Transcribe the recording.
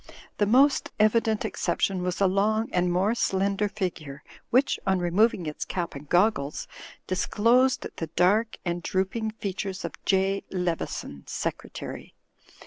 The most evi dent exception was a long and more slender figure, which, on removing its cap and goggles, disclosed the dark and drooping features of J. Leveson, Secretary.